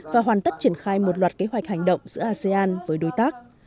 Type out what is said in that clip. và hoàn tất triển khai một loạt kế hoạch hành động giữa asean với đối tác